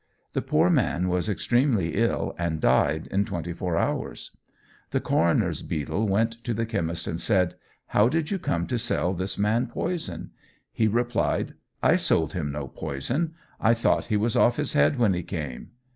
The poor man was extremely ill, and died in twenty four hours. The coroner's beadle went to the chemist and said: 'How did you come to sell this man poison?' He replied, 'I sold him no poison; I thought he was off his head when he came.'